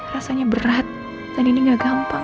rasanya berat dan ini gak gampang